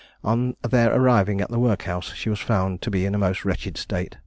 On their arriving at the workhouse, she was found to be in a most wretched state.